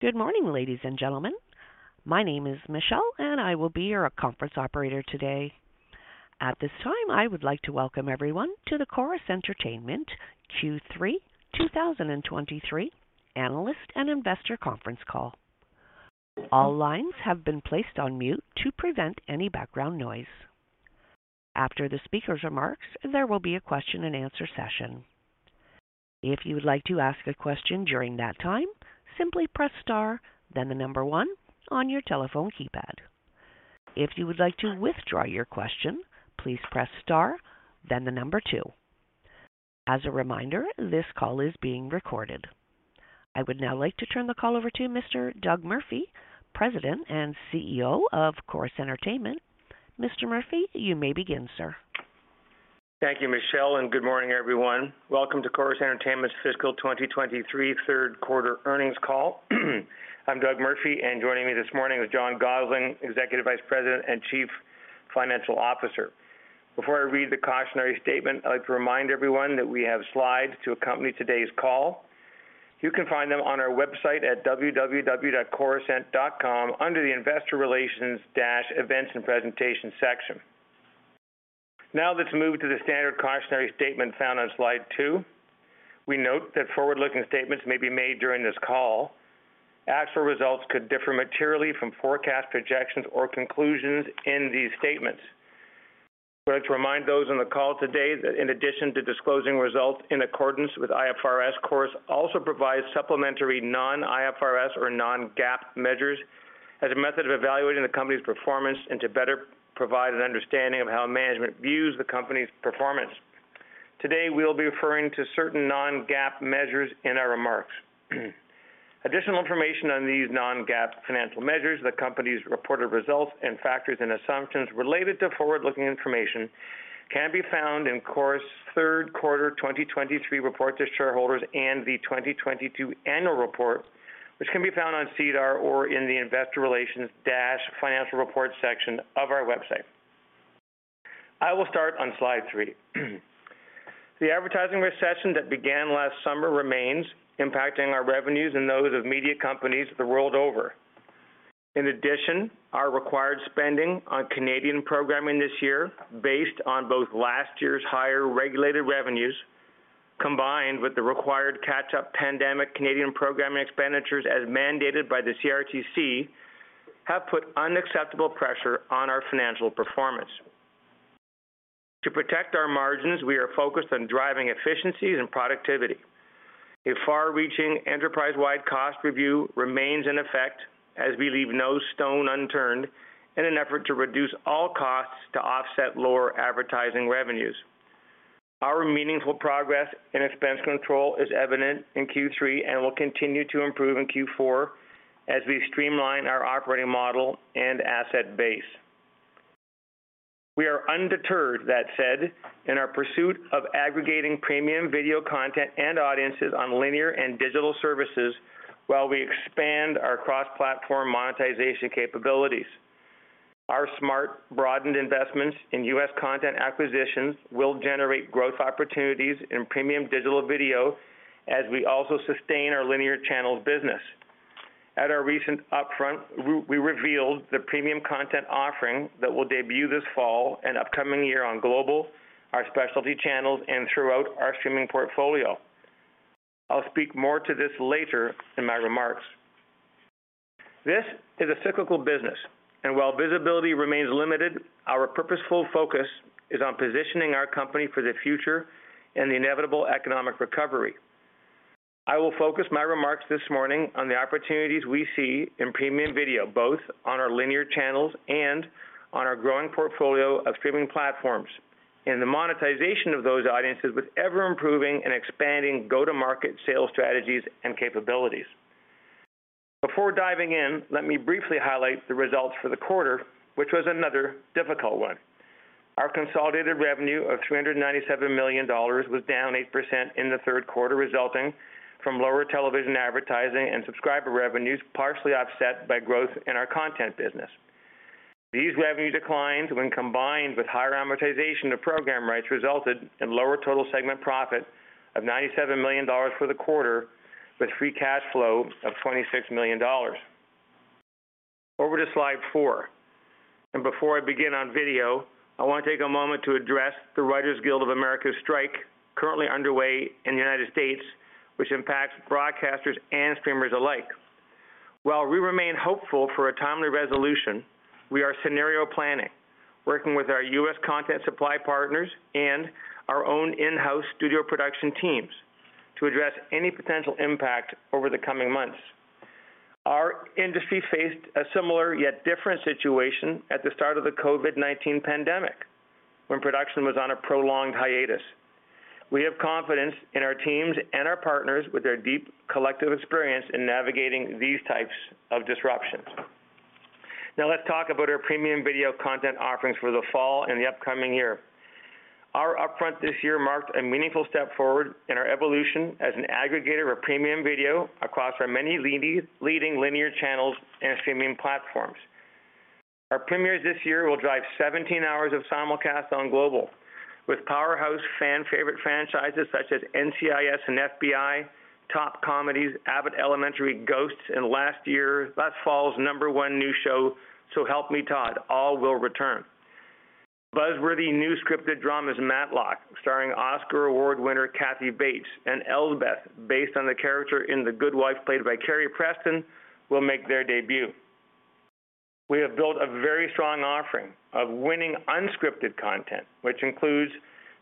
Good morning, ladies and gentlemen. My name is Michelle, and I will be your conference operator today. At this time, I would like to welcome everyone to the Corus Entertainment Q3 2023 Analyst and Investor Conference Call. All lines have been placed on mute to prevent any background noise. After the speaker's remarks, there will be a question-and-answer session. If you would like to ask a question during that time, simply press star, then the number one on your telephone keypad. If you would like to withdraw your question, please press star, then the number two. As a reminder, this call is being recorded. I would now like to turn the call over to Mr. Doug Murphy, President and CEO of Corus Entertainment. Mr. Murphy, you may begin, sir. Thank you, Michelle, and good morning, everyone. Welcome to Corus Entertainment's fiscal 2023 Third Quarter Earnings Call. I'm Doug Murphy, and joining me this morning is John Gossling, Executive Vice President and Chief Financial Officer. Before I read the cautionary statement, I'd like to remind everyone that we have slides to accompany today's call. You can find them on our website at www.corusent.com under the Investor Relations-Events and Presentation section. Let's move to the standard cautionary statement found on slide two. We note that forward-looking statements may be made during this call. Actual results could differ materially from forecast projections or conclusions in these statements. I'd like to remind those on the call today that in addition to disclosing results in accordance with IFRS, Corus also provides supplementary non-IFRS or non-GAAP measures as a method of evaluating the company's performance and to better provide an understanding of how management views the company's performance. Today, we'll be referring to certain non-GAAP measures in our remarks. Additional information on these non-GAAP financial measures, the company's reported results and factors and assumptions related to forward-looking information can be found in Corus's third quarter 2023 report to shareholders and the 2022 annual report, which can be found on SEDAR or in the Investor Relations-Financial Report section of our website. I will start on slide three. The advertising recession that began last summer remains impacting our revenues and those of media companies the world over. Our required spending on Canadian programming this year, based on both last year's higher regulated revenues, combined with the required catch-up pandemic Canadian programming expenditures as mandated by the CRTC, have put unacceptable pressure on our financial performance. To protect our margins, we are focused on driving efficiencies and productivity. A far-reaching, enterprise-wide cost review remains in effect as we leave no stone unturned in an effort to reduce all costs to offset lower advertising revenues. Our meaningful progress and expense control is evident in Q3 and will continue to improve in Q4 as we streamline our operating model and asset base. We are undeterred, that said, in our pursuit of aggregating premium video content and audiences on linear and digital services, while we expand our cross-platform monetization capabilities. Our smart, broadened investments in U.S. content acquisitions will generate growth opportunities in premium digital video as we also sustain our linear channels business. At our recent upfront, we revealed the premium content offering that will debut this fall and upcoming year on Global, our specialty channels, and throughout our streaming portfolio. I'll speak more to this later in my remarks. This is a cyclical business, and while visibility remains limited, our purposeful focus is on positioning our company for the future and the inevitable economic recovery. I will focus my remarks this morning on the opportunities we see in premium video, both on our linear channels and on our growing portfolio of streaming platforms, and the monetization of those audiences with ever-improving and expanding go-to-market sales strategies and capabilities. Before diving in, let me briefly highlight the results for the quarter, which was another difficult one. Our consolidated revenue of 397 million dollars was down 8% in the third quarter, resulting from lower television advertising and subscriber revenues, partially offset by growth in our content business. These revenue declines, when combined with higher amortization of program rights, resulted in lower total segment profit of 97 million dollars for the quarter, with free cash flow of 26 million dollars. Over to slide four. Before I begin on video, I want to take a moment to address the Writers Guild of America strike currently underway in the United States, which impacts broadcasters and streamers alike. While we remain hopeful for a timely resolution, we are scenario planning, working with our U.S. content supply partners and our own in-house studio production teams to address any potential impact over the coming months. Our industry faced a similar yet different situation at the start of the COVID-19 pandemic, when production was on a prolonged hiatus. We have confidence in our teams and our partners with their deep collective experience in navigating these types of disruptions. Let's talk about our premium video content offerings for the fall and the upcoming year. Our upfront this year marked a meaningful step forward in our evolution as an aggregator of premium video across our many leading linear channels and streaming platforms. Our premieres this year will drive 17 hours of simulcast on Global, with powerhouse fan favorite franchises such as NCIS and FBI, top comedies, Abbott Elementary, Ghosts, and last fall's number one new show, So Help Me Todd, all will return. Buzz-worthy new scripted dramas, Matlock, starring Oscar award winner Kathy Bates, and Elsbeth, based on the character in The Good Wife, played by Carrie Preston, will make their debut. We have built a very strong offering of winning unscripted content, which includes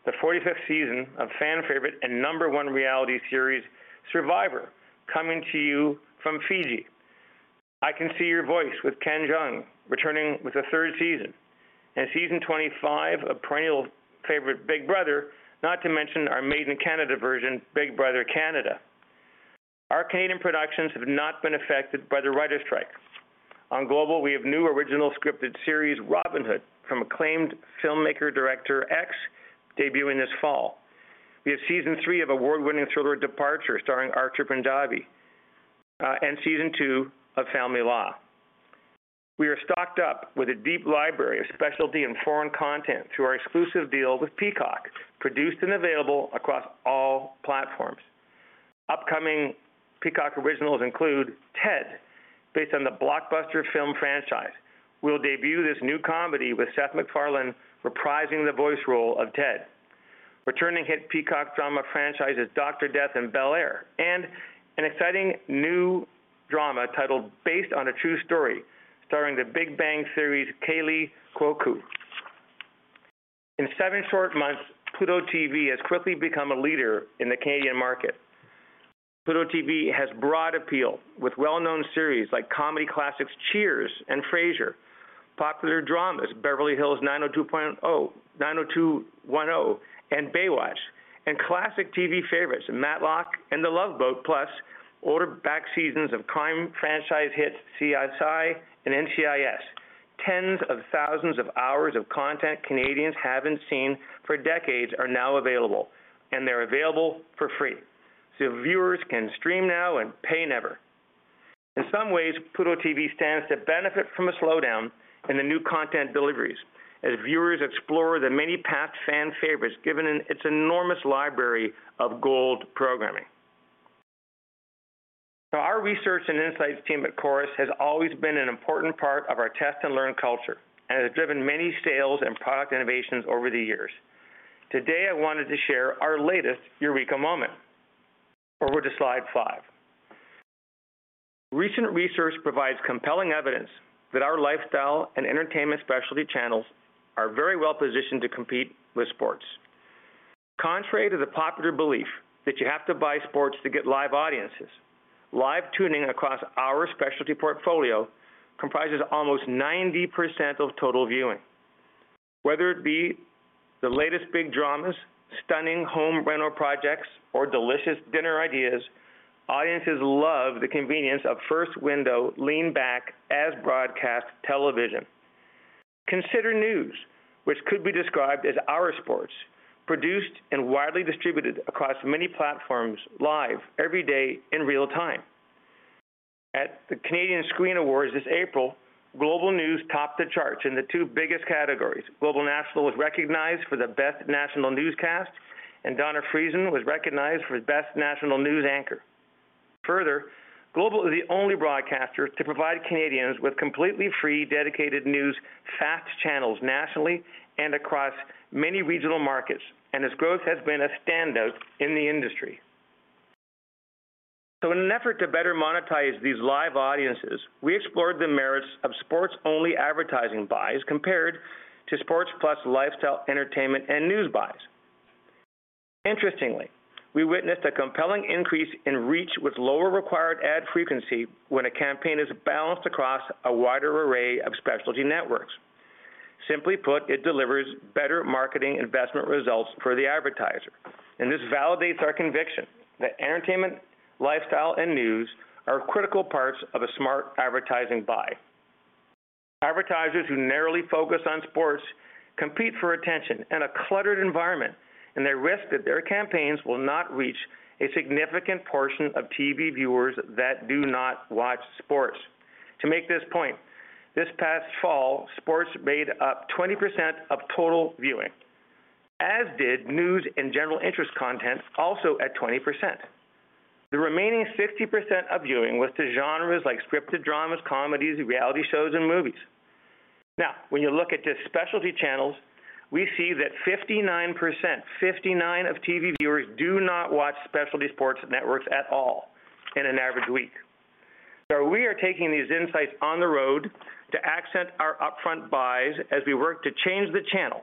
the 45th season of fan favorite and number one reality series, Survivor, coming to you from Fiji. I Can See Your Voice, with Ken Jeong, returning with a 3rd season, and Season 25 of perennial favorite Big Brother, not to mention our Made in Canada version, Big Brother Canada. Our Canadian productions have not been affected by the writers strike. On Global, we have new original scripted series, Robyn Hood, from acclaimed filmmaker, Director X, debuting this fall. We have Season 3 of award-winning thriller Departure, starring Archie Panjabi, and Season 2 of Family Law. We are stocked up with a deep library of specialty and foreign content through our exclusive deal with Peacock, produced and available across all platforms. Upcoming Peacock originals include Ted, based on the blockbuster film franchise. We'll debut this new comedy with Seth MacFarlane, reprising the voice role of Ted. Returning hit Peacock drama franchise is Dr. Death and Bel-Air, and an exciting new drama titled, Based on a True Story, starring The Big Bang Theory, Kaley Cuoco. In seven short months, Pluto TV has quickly become a leader in the Canadian market. Pluto TV has broad appeal, with well-known series like comedy classics, Cheers and Frasier, popular dramas, Beverly Hills, 90210, and Baywatch, and classic TV favorites, Matlock and The Love Boat, plus older back seasons of crime franchise hits, CSI and NCIS. Tens of thousands of hours of content Canadians haven't seen for decades are now available, and they're available for free. Viewers can stream now and pay never. In some ways, Pluto TV stands to benefit from a slowdown in the new content deliveries as viewers explore the many past fan favorites, given in its enormous library of gold programming. Our research and insights team at Corus has always been an important part of our test and learn culture, and has driven many sales and product innovations over the years. Today, I wanted to share our latest eureka moment. Over to slide five. Recent research provides compelling evidence that our lifestyle and entertainment specialty channels are very well positioned to compete with sports. Contrary to the popular belief that you have to buy sports to get live audiences, live tuning across our specialty portfolio comprises almost 90% of total viewing. Whether it be the latest big dramas, stunning home rental projects, or delicious dinner ideas, audiences love the convenience of first window, lean back as-broadcast television. Consider news, which could be described as our sports, produced and widely distributed across many platforms, live, every day in real time. At the Canadian Screen Awards this April, Global News topped the charts in the two biggest categories. Global National was recognized for the best national newscast, and Dawna Friesen was recognized for the best national news anchor. Global is the only broadcaster to provide Canadians with completely free, dedicated news facts channels nationally and across many regional markets, and its growth has been a standout in the industry. In an effort to better monetize these live audiences, we explored the merits of sports-only advertising buys compared to sports, plus lifestyle, entertainment, and news buys. Interestingly, we witnessed a compelling increase in reach with lower required ad frequency when a campaign is balanced across a wider array of specialty networks. Simply put, it delivers better marketing investment results for the advertiser, and this validates our conviction that entertainment, lifestyle, and news are critical parts of a smart advertising buy. Advertisers who narrowly focus on sports compete for attention in a cluttered environment, and they risk that their campaigns will not reach a significant portion of TV viewers that do not watch sports. To make this point, this past fall, sports made up 20% of total viewing, as did news and general interest content, also at 20%. The remaining 60% of viewing was to genres like scripted dramas, comedies, reality shows, and movies. When you look at just specialty channels, we see that 59%, 59 of TV viewers do not watch specialty sports networks at all in an average week. We are taking these insights on the road to accent our upfront buys as we work to change the channel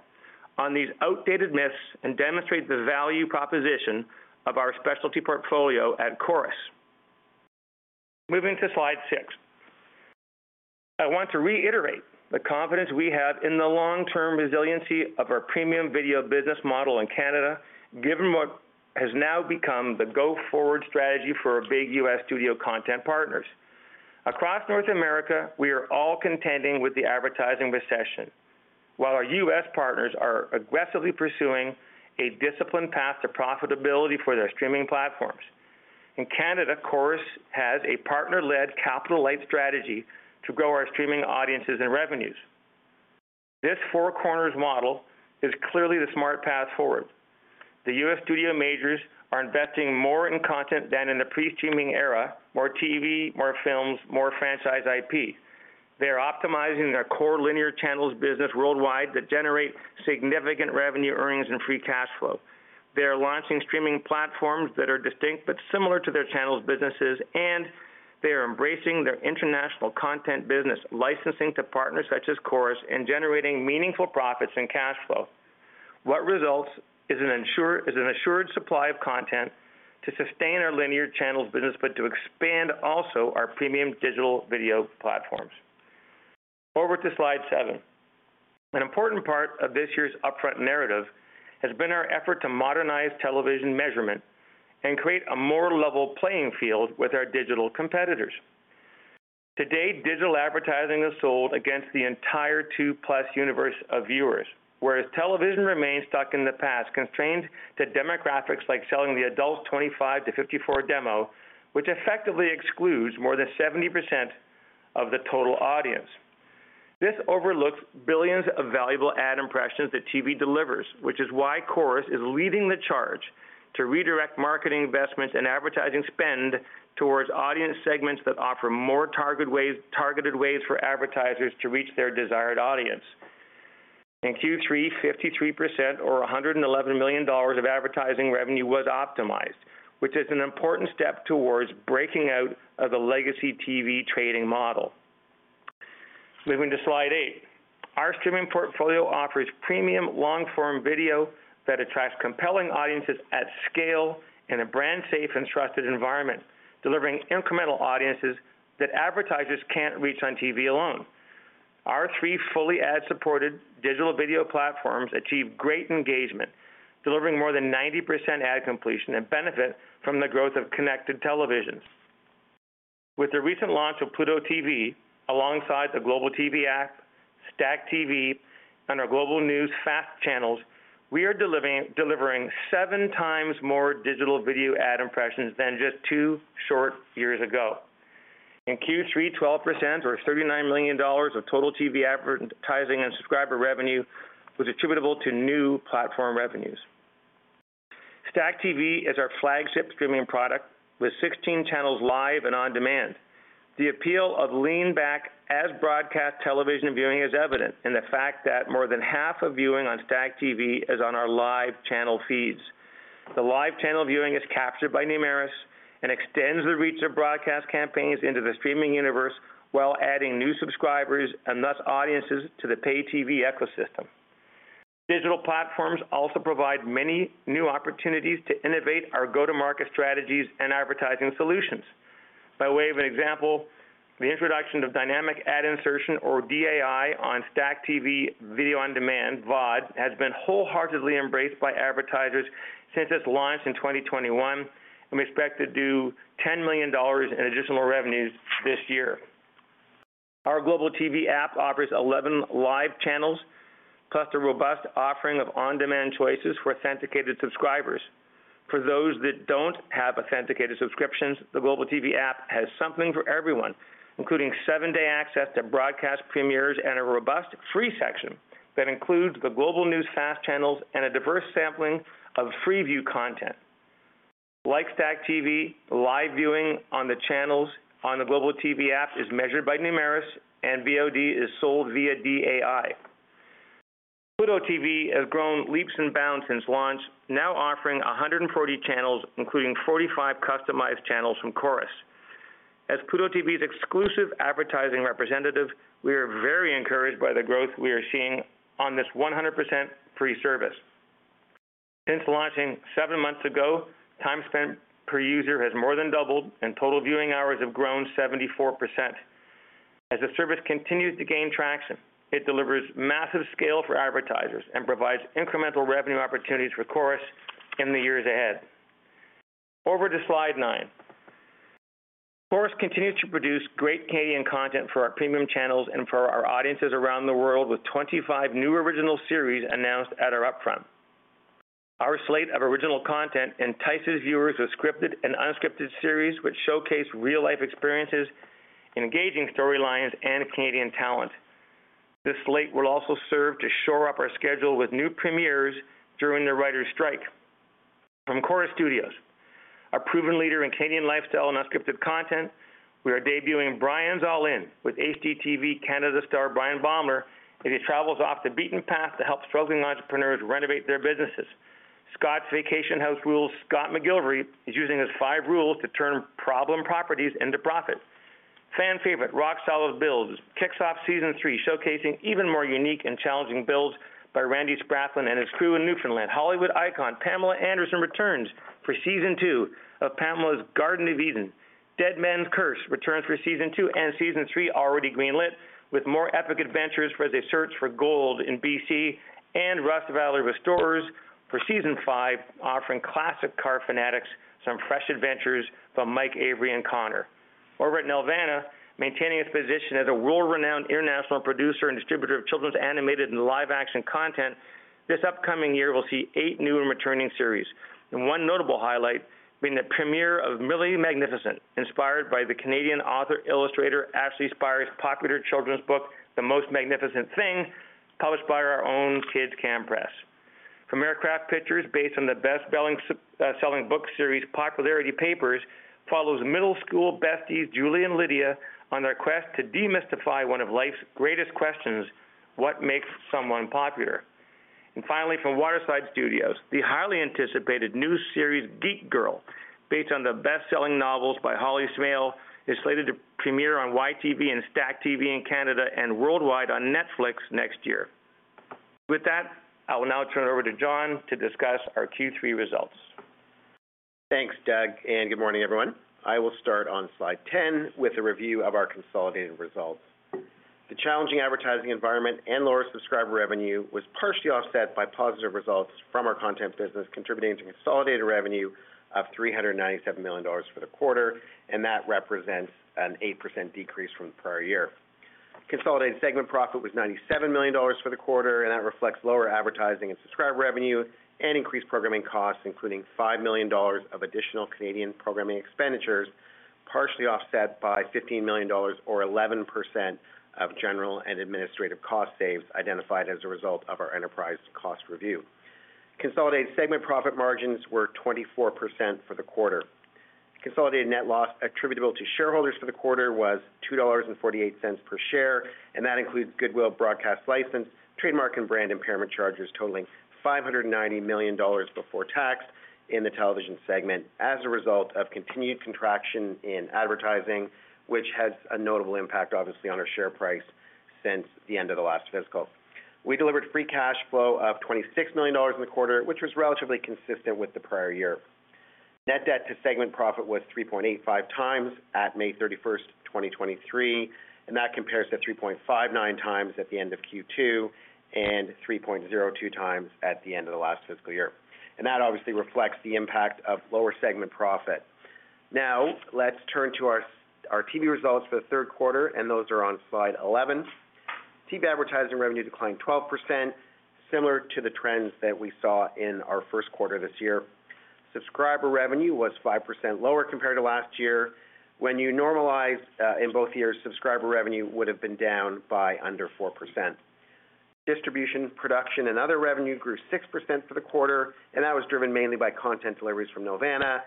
on these outdated myths and demonstrate the value proposition of our specialty portfolio at Corus. Moving to slide six. I want to reiterate the confidence we have in the long-term resiliency of our premium video business model in Canada, given what has now become the go-forward strategy for our big U.S. studio content partners. Across North America, we are all contending with the advertising recession, while our U.S. partners are aggressively pursuing a disciplined path to profitability for their streaming platforms. In Canada, Corus has a partner-led capital-light strategy to grow our streaming audiences and revenues. This four corners model is clearly the smart path forward. The U.S. studio majors are investing more in content than in the pre-streaming era, more TV, more films, more franchise IP. They are optimizing their core linear channels business worldwide that generate significant revenue earnings and free cash flow. They are launching streaming platforms that are distinct but similar to their channels businesses, and they are embracing their international content business, licensing to partners such as Corus, and generating meaningful profits and cash flow. What results is an assured supply of content to sustain our linear channels business, but to expand also our premium digital video platforms. Over to slide seven. An important part of this year's upfront narrative has been our effort to modernize television measurement and create a more level playing field with our digital competitors. Today, digital advertising is sold against the entire two-plus universe of viewers, whereas television remains stuck in the past, constrained to demographics like selling the adult 25-54 demo, which effectively excludes more than 70% of the total audience. This overlooks billions of valuable ad impressions that TV delivers, which is why Corus is leading the charge to redirect marketing investments and advertising spend towards audience segments that offer more targeted ways for advertisers to reach their desired audience. In Q3, 53% or 111 million dollars of advertising revenue was optimized, which is an important step towards breaking out of the legacy TV trading model. Moving to slide eight. Our streaming portfolio offers premium long-form video that attracts compelling audiences at scale in a brand safe and trusted environment, delivering incremental audiences that advertisers can't reach on TV alone. Our three fully ad-supported digital video platforms achieve great engagement, delivering more than 90% ad completion and benefit from the growth of connected televisions. With the recent launch of Pluto TV, alongside the Global TV App, StackTV, and our Global News FAST channels, we are delivering seven times more digital video ad impressions than just two short years ago. In Q3, 12% or 39 million dollars of total TV advertising and subscriber revenue was attributable to new platform revenues. StackTV is our flagship streaming product, with 16 channels live and on demand. The appeal of lean back as broadcast television viewing is evident, and the fact that more than half of viewing on StackTV is on our live channel feeds. The live channel viewing is captured by Numeris and extends the reach of broadcast campaigns into the streaming universe, while adding new subscribers and thus audiences to the pay TV ecosystem. Digital platforms also provide many new opportunities to innovate our go-to-market strategies and advertising solutions. By way of an example, the introduction of dynamic ad insertion, or DAI, on StackTV video on demand, VOD, has been wholeheartedly embraced by advertisers since its launch in 2021, and we expect to do 10 million dollars in additional revenues this year. Our Global TV App offers 11 live channels, plus a robust offering of on-demand choices for authenticated subscribers. For those that don't have authenticated subscriptions, the Global TV App has something for everyone, including seven-day access to broadcast premieres and a robust free section that includes the Global News FAST channels and a diverse sampling of free view content. Like StackTV, live viewing on the channels on the Global TV App is measured by Numeris, and VOD is sold via DAI. Pluto TV has grown leaps and bounds since launch, now offering 140 channels, including 45 customized channels from Corus. As Pluto TV's exclusive advertising representative, we are very encouraged by the growth we are seeing on this 100% free service. Since launching seven months ago, time spent per user has more than doubled, and total viewing hours have grown 74%. As the service continues to gain traction, it delivers massive scale for advertisers and provides incremental revenue opportunities for Corus in the years ahead. Over to slide nine. Corus continues to produce great Canadian content for our premium channels and for our audiences around the world, with 25 new original series announced at our upfront. Our slate of original content entices viewers with scripted and unscripted series, which showcase real-life experiences, engaging storylines, and Canadian talent. This slate will also serve to shore up our schedule with new premieres during the writers' strike. From Corus Studios, a proven leader in Canadian lifestyle and unscripted content, we are debuting Bryan's All In with HGTV Canada star, Bryan Baeumler, as he travels off the beaten path to help struggling entrepreneurs renovate their businesses. Scott's Vacation House Rules, Scott McGillivray is using his five rules to turn problem properties into profit. Fan favorite, Rock Solid Builds, kicks off season three, showcasing even more unique and challenging builds by Randy Spracklin and his crew in Newfoundland. Hollywood icon, Pamela Anderson, returns for season two of Pamela's Garden of Eden. Dead Men's Curse returns for season two and season three, already greenlit, with more epic adventures where they search for gold in BC. Rust Valley Restorers for season five, offering classic car fanatics some fresh adventures from Mike, Avery, and Connor. Over at Nelvana, maintaining its position as a world-renowned international producer and distributor of children's animated and live action content, this upcoming year will see eight new and returning series, one notable highlight being the premiere of Millie Magnificent, inspired by the Canadian author illustrator Ashley Spires' popular children's book, The Most Magnificent Thing, published by our own Kids Can Press. From Aircraft Pictures, based on the best-selling book series, Popularity Papers, follows middle school besties, Julie and Lydia, on their quest to demystify one of life's greatest questions: what makes someone popular? Finally, from Waterside Studios, the highly anticipated new series, Geek Girl, based on the best-selling novels by Holly Smale, is slated to premiere on YTV and StackTV in Canada, and worldwide on Netflix next year. With that, I will now turn it over to John to discuss our Q3 results. Thanks, Doug. Good morning, everyone. I will start on slide 10 with a review of our consolidated results. The challenging advertising environment and lower subscriber revenue was partially offset by positive results from our content business, contributing to consolidated revenue of 397 million dollars for the quarter, and that represents an 8% decrease from the prior year. Consolidated segment profit was 97 million dollars for the quarter, and that reflects lower advertising and subscriber revenue and increased programming costs, including 5 million dollars of additional Canadian programming expenditures, partially offset by 15 million dollars or 11% of general and administrative cost saves, identified as a result of our enterprise cost review. Consolidated segment profit margins were 24% for the quarter. Consolidated net loss attributable to shareholders for the quarter was 2.48 dollars per share, and that includes goodwill, broadcast license, trademark, and brand impairment charges totaling 590 million dollars before tax in the television segment as a result of continued contraction in advertising, which has a notable impact, obviously, on our share price since the end of the last fiscal. We delivered free cash flow of 26 million dollars in the quarter, which was relatively consistent with the prior year. Net debt to segment profit was 3.85x at May 31st, 2023. That compares to 3.59x at the end of Q2 and 3.02x at the end of the last fiscal year. That obviously reflects the impact of lower segment profit. Now, let's turn to our TV results for the third quarter, and those are on slide 11. TV advertising revenue declined 12%, similar to the trends that we saw in our first quarter this year. Subscriber revenue was 5% lower compared to last year. When you normalize, in both years, subscriber revenue would have been down by under 4%. Distribution, production, and other revenue grew 6% for the quarter, and that was driven mainly by content deliveries from Nelvana,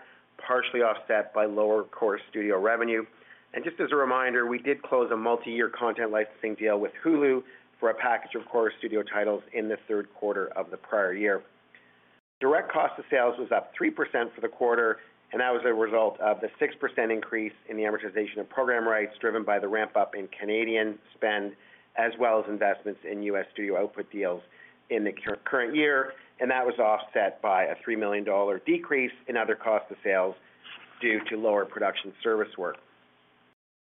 partially offset by lower Corus Studios revenue. Just as a reminder, we did close a multi-year content licensing deal with Hulu for a package of Corus Studios titles in the third quarter of the prior year. Direct cost of sales was up 3% for the quarter, and that was a result of the 6% increase in the amortization of program rights, driven by the ramp-up in Canadian spend, as well as investments in U.S. Studio output deals in the current year, and that was offset by a 3 million dollar decrease in other costs of sales due to lower production service work.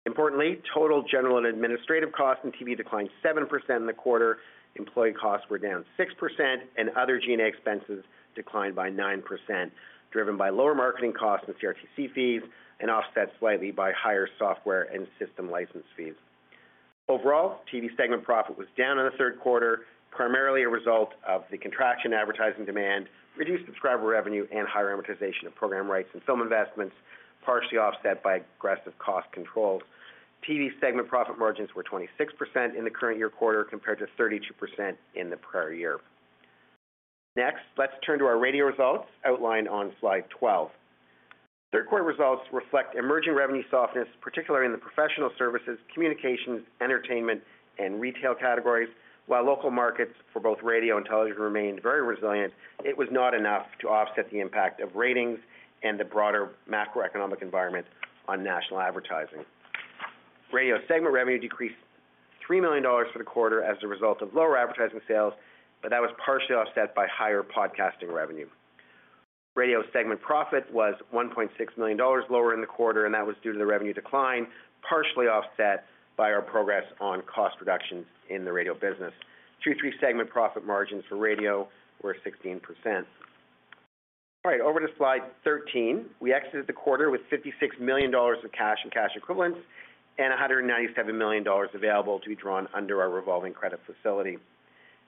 Importantly, total general and administrative costs in TV declined 7% in the quarter. Employee costs were down 6%, and other G&A expenses declined by 9%, driven by lower marketing costs and CRTC fees, and offset slightly by higher software and system license fees. Overall, TV segment profit was down in the third quarter, primarily a result of the contraction advertising demand, reduced subscriber revenue, and higher amortization of program rights and film investments, partially offset by aggressive cost controls. TV segment profit margins were 26% in the current year quarter, compared to 32% in the prior year. Let's turn to our radio results outlined on slide 12. Third quarter results reflect emerging revenue softness, particularly in the professional services, communications, entertainment, and retail categories. While local markets for both radio and television remained very resilient, it was not enough to offset the impact of ratings and the broader macroeconomic environment on national advertising. Radio segment revenue decreased 3 million dollars for the quarter as a result of lower advertising sales, that was partially offset by higher podcasting revenue. Radio segment profit was 1.6 million dollars lower in the quarter, that was due to the revenue decline, partially offset by our progress on cost reductions in the radio business. Q3 segment profit margins for radio were 16%. All right, over to slide 13. We exited the quarter with 56 million dollars of cash and cash equivalents, and 197 million dollars available to be drawn under our revolving credit facility.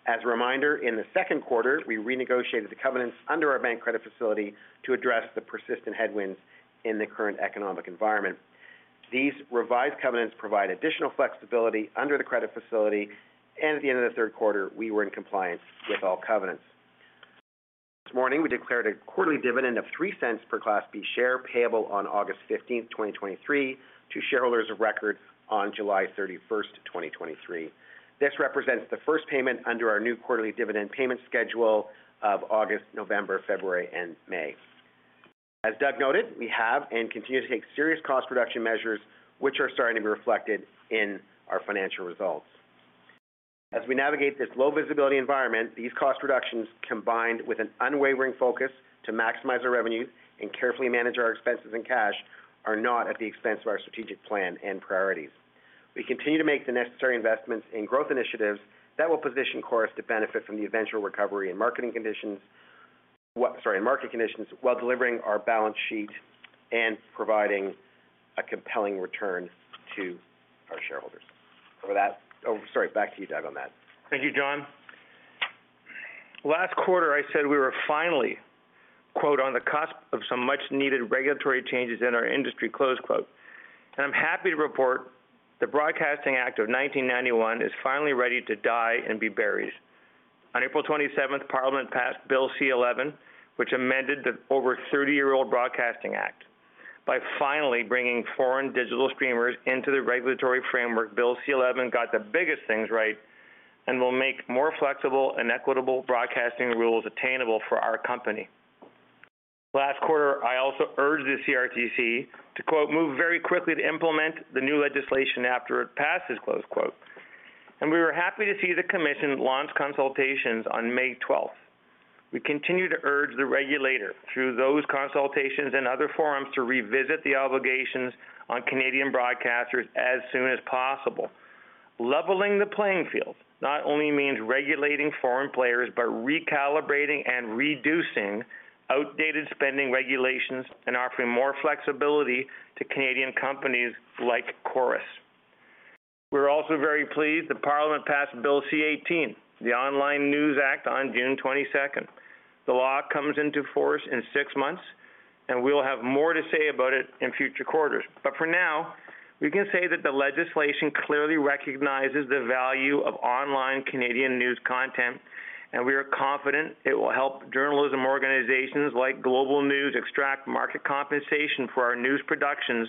As a reminder, in the second quarter, we renegotiated the covenants under our bank credit facility to address the persistent headwinds in the current economic environment. These revised covenants provide additional flexibility under the credit facility, and at the end of the third quarter, we were in compliance with all covenants. This morning, we declared a quarterly dividend of 0.03 per Class B share, payable on August 15th, 2023, to shareholders of record on July 31st, 2023. This represents the first payment under our new quarterly dividend payment schedule of August, November, February, and May. As Doug noted, we have and continue to take serious cost reduction measures, which are starting to be reflected in our financial results. As we navigate this low visibility environment, these cost reductions, combined with an unwavering focus to maximize our revenues and carefully manage our expenses and cash, are not at the expense of our strategic plan and priorities. We continue to make the necessary investments in growth initiatives that will position Corus to benefit from the eventual recovery and marketing conditions, what, sorry, market conditions while delivering our balance sheet and providing a compelling return to our shareholders. Sorry, back to you, Doug, on that. Thank you, John. Last quarter, I said we were finally, quote, "on the cusp of some much needed regulatory changes in our industry," close quote. I'm happy to report the Broadcasting Act of 1991 is finally ready to die and be buried. On April 27th, Parliament passed Bill C-11, which amended the over 30-year-old Broadcasting Act. By finally bringing foreign digital streamers into the regulatory framework, Bill C-11 got the biggest things right and will make more flexible and equitable broadcasting rules attainable for our company. Last quarter, I also urged the CRTC to, quote, "move very quickly to implement the new legislation after it passes," close quote. We were happy to see the commission launch consultations on May 12th. We continue to urge the regulator, through those consultations and other forums, to revisit the obligations on Canadian broadcasters as soon as possible. Leveling the playing field not only means regulating foreign players, but recalibrating and reducing outdated spending regulations and offering more flexibility to Canadian companies like Corus. We're also very pleased that Parliament passed Bill C-18, the Online News Act, on June twenty-second. The law comes into force in six months, and we will have more to say about it in future quarters. For now, we can say that the legislation clearly recognizes the value of online Canadian news content, and we are confident it will help journalism organizations like Global News extract market compensation for our news productions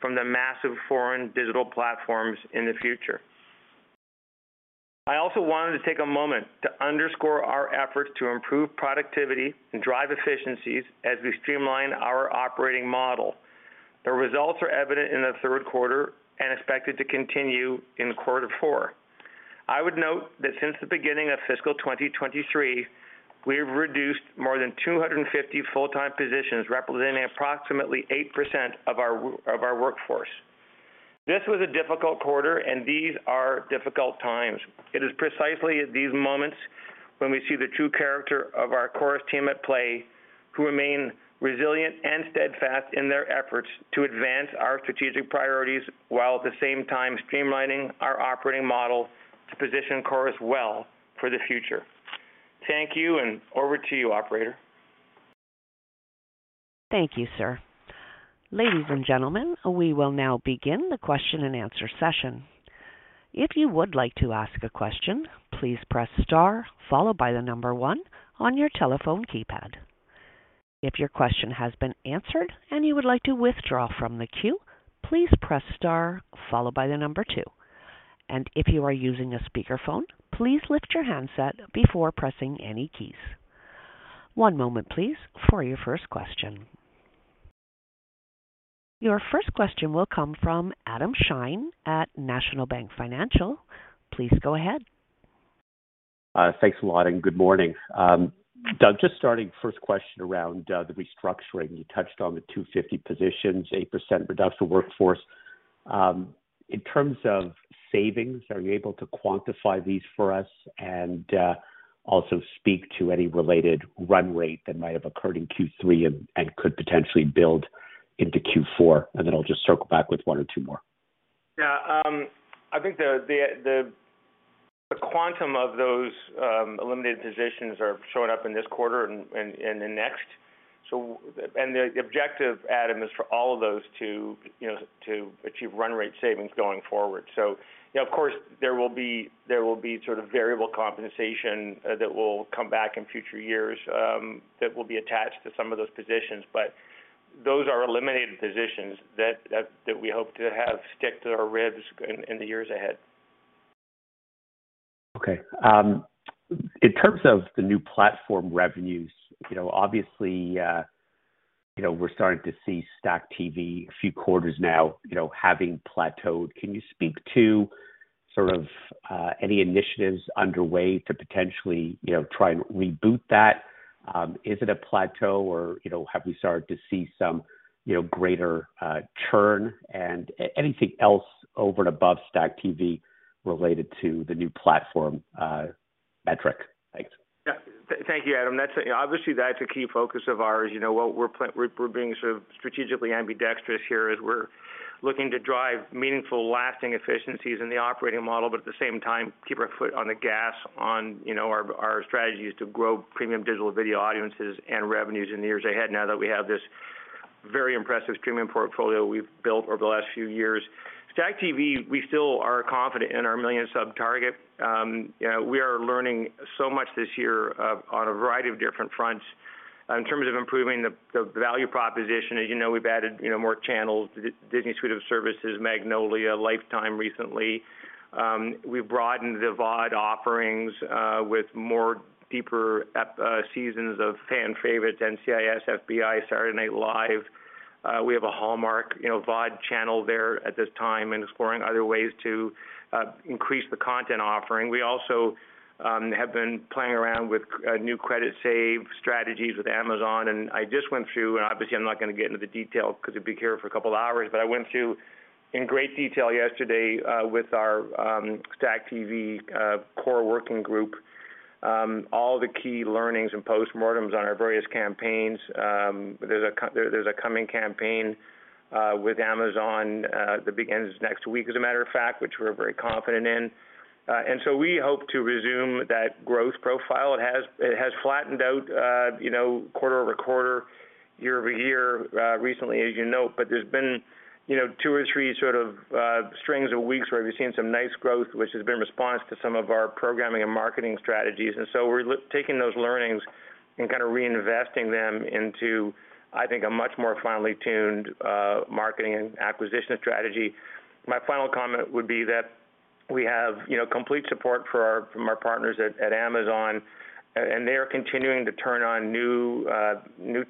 from the massive foreign digital platforms in the future. I also wanted to take a moment to underscore our efforts to improve productivity and drive efficiencies as we streamline our operating model. The results are evident in the third quarter and expected to continue in quarter four. I would note that since the beginning of fiscal 2023, we've reduced more than 250 full-time positions, representing approximately 8% of our workforce. This was a difficult quarter. These are difficult times. It is precisely at these moments when we see the true character of our Corus team at play, who remain resilient and steadfast in their efforts to advance our strategic priorities, while at the same time streamlining our operating model to position Corus well for the future. Thank you. Over to you, operator. Thank you, sir. Ladies and gentlemen, we will now begin the question and answer session. If you would like to ask a question, please press star followed by the number one on your telephone keypad. If your question has been answered and you would like to withdraw from the queue, please press star followed by the number two. If you are using a speakerphone, please lift your handset before pressing any keys. One moment, please, for your first question. Your first question will come from Adam Shine at National Bank Financial. Please go ahead. Thanks a lot and good morning. Doug, just starting first question around the restructuring. You touched on the 250 positions, 8% reduction workforce. In terms of savings, are you able to quantify these for us and also speak to any related run rate that might have occurred in Q3 and could potentially build into Q4? Then I'll just circle back with one or two more. Yeah, I think the quantum of those eliminated positions are showing up in this quarter and the next. And the objective, Adam, is for all of those to, you know, to achieve run rate savings going forward. You know, of course there will be sort of variable compensation that will come back in future years that will be attached to some of those positions. Those are eliminated positions that we hope to have stick to our ribs in the years ahead. Okay. In terms of the new platform revenues, you know, obviously, you know, we're starting to see StackTV a few quarters now, you know, having plateaued. Can you speak to sort of any initiatives underway to potentially, you know, try and reboot that? Is it a plateau or, you know, have we started to see some, you know, greater churn and anything else over and above StackTV related to the new platform metric? Thanks. Thank you, Adam. That's, obviously, that's a key focus of ours. You know, what we're being sort of strategically ambidextrous here as we're looking to drive meaningful, lasting efficiencies in the operating model, but at the same time, keep our foot on the gas on, you know, our strategies to grow premium digital video audiences and revenues in the years ahead, now that we have this very impressive premium portfolio we've built over the last few years. StackTV, we still are confident in our 1 million sub target. You know, we are learning so much this year on a variety of different fronts. In terms of improving the value proposition, as you know, we've added, you know, more channels, Disney Suite of Services, Magnolia, Lifetime, recently. We've broadened the VOD offerings with more deeper seasons of fan favorites, NCIS, FBI, Saturday Night Live. We have a Hallmark, you know, VOD channel there at this time and exploring other ways to increase the content offering. We also have been playing around with new credit save strategies with Amazon, and I just went through, and obviously I'm not going to get into the details because it'd be here for a couple of hours, but I went through in great detail yesterday with our StackTV core working group. All the key learnings and postmortems on our various campaigns, there's a coming campaign with Amazon that begins next week, as a matter of fact, which we're very confident in. We hope to resume that growth profile. It has, it has flattened out, you know, quarter over quarter, year over year, recently, as you note, but there's been, you know, two or three sort of strings of weeks where we've seen some nice growth, which has been in response to some of our programming and marketing strategies. We're taking those learnings and kind of reinvesting them into, I think, a much more finely tuned marketing and acquisition strategy. My final comment would be that we have, you know, complete support from our partners at Amazon, and they are continuing to turn on new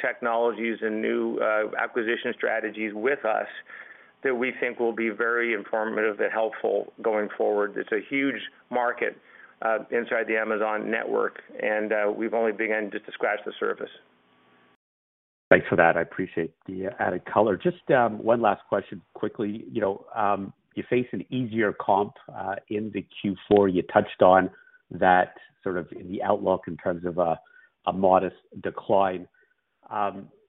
technologies and new acquisition strategies with us, that we think will be very informative and helpful going forward. It's a huge market inside the Amazon network, and we've only begun just to scratch the surface. Thanks for that. I appreciate the added color. Just one last question quickly. You know, you face an easier comp in the Q4. You touched on that, sort of in the outlook in terms of a modest decline.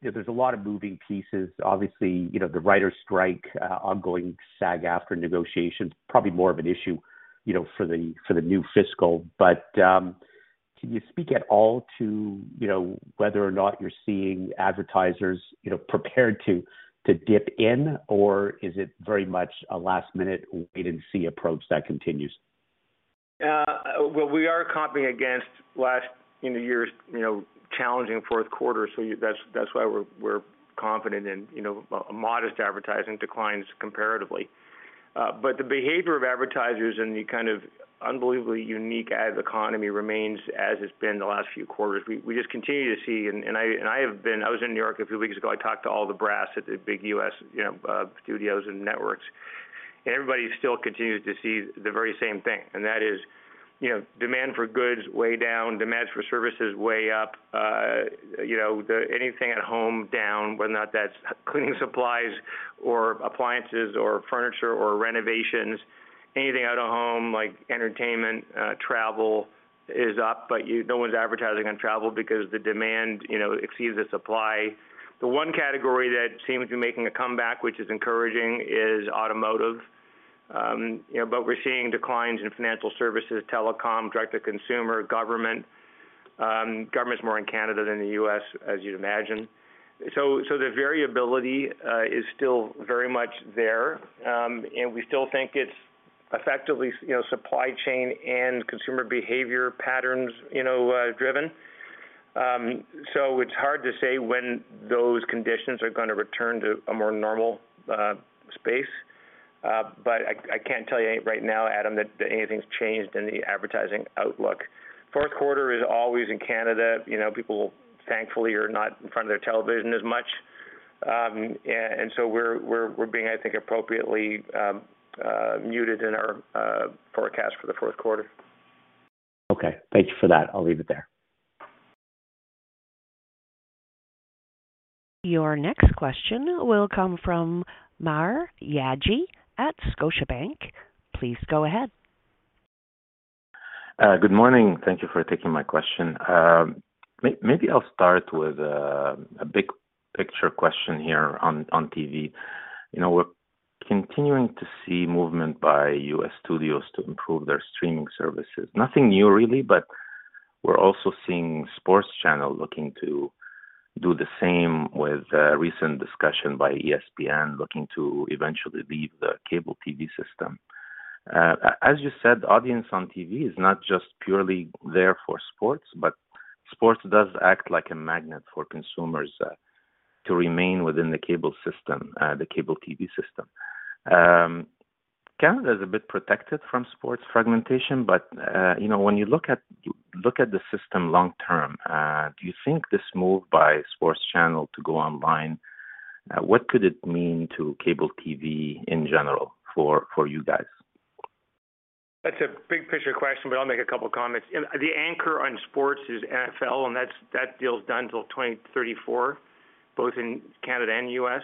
There's a lot of moving pieces. Obviously, you know, the Writers strike, ongoing SAG-AFTRA negotiations, probably more of an issue, you know, for the new fiscal. Can you speak at all to, you know, whether or not you're seeing advertisers, you know, prepared to dip in, or is it very much a last-minute, wait-and-see approach that continues? Well, we are comping against last, you know, year's, you know, challenging fourth quarter, that's why we're confident in, you know, a modest advertising declines comparatively. The behavior of advertisers and the kind of unbelievably unique ad economy remains as it's been the last few quarters. We just continue to see. I was in New York a few weeks ago. I talked to all the brass at the big U.S., you know, studios and networks, everybody still continues to see the very same thing, that is, you know, demand for goods, way down, demands for services, way up. you know, the anything at home down, whether or not that's cleaning supplies or appliances, or furniture, or renovations, anything out of home, like entertainment, travel is up, but no one's advertising on travel because the demand, you know, exceeds the supply. The one category that seems to be making a comeback, which is encouraging, is automotive. you know, but we're seeing declines in financial services, telecom, direct-to-consumer, government. Government's more in Canada than the U.S., as you'd imagine. The variability is still very much there, and we still think it's effectively, you know, supply chain and consumer behavior patterns, you know, driven. It's hard to say when those conditions are gonna return to a more normal space. I can't tell you right now, Adam, that anything's changed in the advertising outlook. Fourth quarter is always in Canada, you know, people thankfully, are not in front of their television as much. We're being, I think, appropriately, muted in our forecast for the fourth quarter. Okay, thank you for that. I'll leave it there. Your next question will come from Maher Yaghi at Scotiabank. Please go ahead. Good morning. Thank you for taking my question. Maybe I'll start with a big picture question here on TV. You know, we're continuing to see movement by U.S. studios to improve their streaming services. Nothing new, really, but we're also seeing sports channels looking to do the same, with recent discussion by ESPN, looking to eventually leave the cable TV system. As you said, audience on TV is not just purely there for sports, but sports does act like a magnet for consumers to remain within the cable TV system. Canada is a bit protected from sports fragmentation, you know, when you look at the system long term, do you think this move by sports channel to go online, what could it mean to cable TV in general, for you guys? That's a big picture question, but I'll make a couple comments. The anchor on sports is NFL, and that deal's done till 2034, both in Canada and U.S.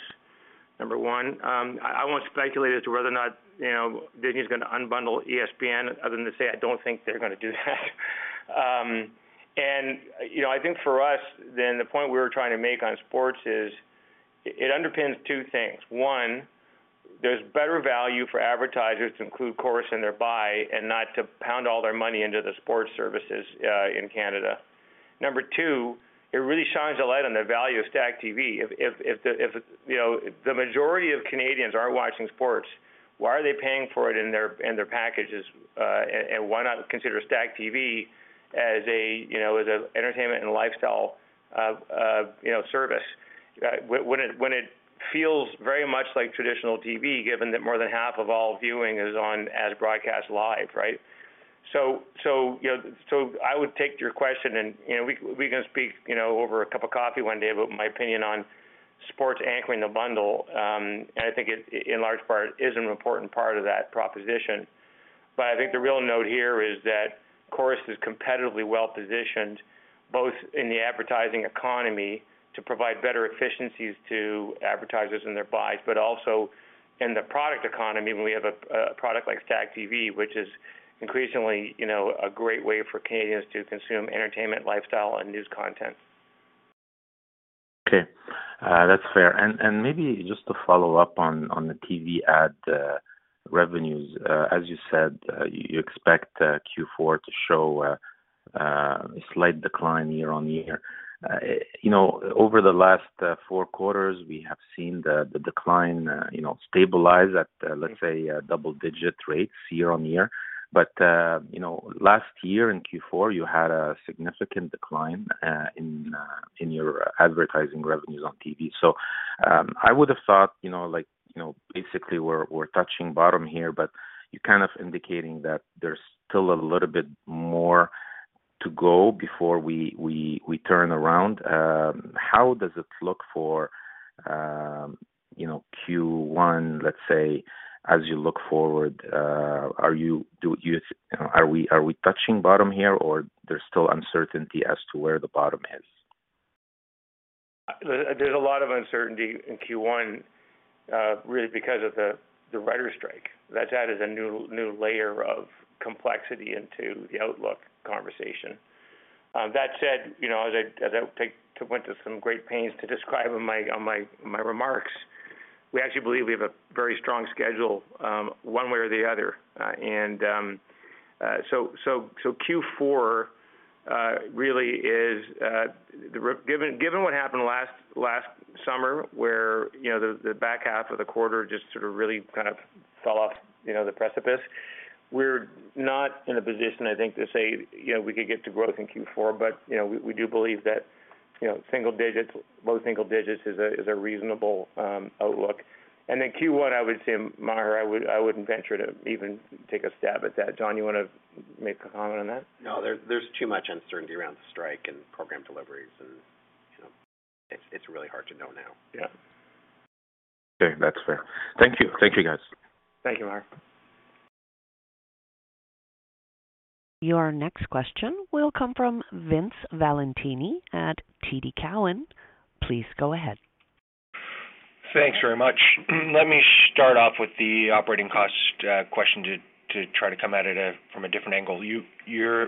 Number one, I won't speculate as to whether or not, you know, Disney is going to unbundle ESPN, other than to say, I don't think they're going to do that. You know, I think for us then, the point we were trying to make on sports is, it underpins two things. One, there's better value for advertisers to include Corus in their buy and not to pound all their money into the sports services in Canada. Number two, it really shines a light on the value of StackTV. If, you know, the majority of Canadians are watching sports, why are they paying for it in their packages? Why not consider StackTV as a, you know, as an entertainment and lifestyle, you know, service? When it feels very much like traditional TV, given that more than half of all viewing is on as broadcast live, right? You know, so I would take your question and, you know, we can speak, you know, over a cup of coffee one day about my opinion on sports anchoring the bundle. I think it, in large part, is an important part of that proposition. I think the real note here is that Corus is competitively well-positioned. both in the advertising economy to provide better efficiencies to advertisers in their buys, but also in the product economy, when we have a product like StackTV, which is increasingly, you know, a great way for Canadians to consume entertainment, lifestyle, and news content. Okay, that's fair. Maybe just to follow up on the TV ad revenues. As you said, you expect Q4 to show a slight decline year on year. You know, over the last four quarters, we have seen the decline, you know, stabilize at, let's say, double digit rates year on year. You know, last year in Q4, you had a significant decline in your advertising revenues on TV. I would have thought, you know, like, you know, basically, we're touching bottom here, but you're kind of indicating that there's still a little bit more to go before we turn around. How does it look for, you know, Q1, let's say, as you look forward, do you... Are we touching bottom here, or there's still uncertainty as to where the bottom is? There's a lot of uncertainty in Q1, really because of the writer strike. That's added a new layer of complexity into the outlook conversation. That said, you know, as I went through some great pains to describe on my remarks, we actually believe we have a very strong schedule, one way or the other. Q4 really is the given what happened last summer, where, you know, the back half of the quarter just sort of really kind of fell off, you know, the precipice. We're not in a position, I think, to say, you know, we could get to growth in Q4, but, you know, we do believe that, you know, single digits, low single digits is a reasonable outlook. Q1, I would say, Maher, I wouldn't venture to even take a stab at that. John, you want to make a comment on that? No. There's too much uncertainty around the strike and program deliveries and, you know, it's really hard to know now. Yeah. Okay, that's fair. Thank you. Thank you, guys. Thank you, Maher. Your next question will come from Vince Valentini at TD Cowen. Please go ahead. Thanks very much. Let me start off with the operating cost question to try to come at it from a different angle. Your